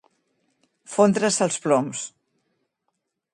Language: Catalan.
Fondre's els ploms.